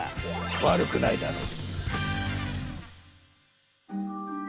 悪くないだろう。